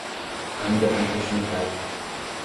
Ainda tem continuidade